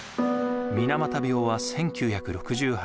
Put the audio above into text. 水俣病は１９６８年